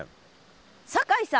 酒井さん！